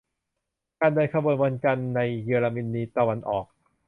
การเดินขบวนวันจันทร์ในเยอรมนีตะวันออก